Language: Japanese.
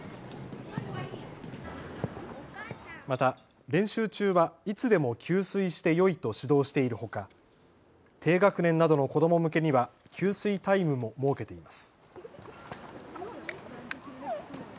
また練習中はいつでも給水してよいと指導しているほか、低学年などの子ども向けには給水タイムも設けています。